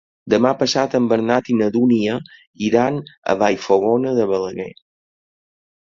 Demà passat en Bernat i na Dúnia iran a Vallfogona de Balaguer.